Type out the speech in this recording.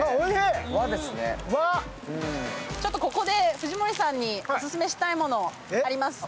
ちょっとここで藤森さんにオススメしたいのがあります。